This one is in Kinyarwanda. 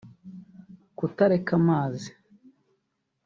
kutareka amazi